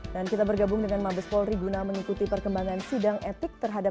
dan kita bergabung dengan mabes polri guna mengikuti perkembangan sidang etik terhadap